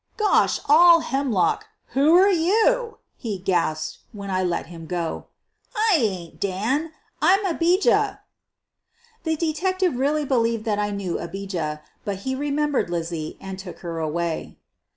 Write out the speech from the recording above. "Gosh all hemlock, who are you!" he gasped when I let him go. '' I ain 't Dan, I 'm Abijah. '' The detective really believed that I knew Abijah, but he remembered Lizzie and took her away.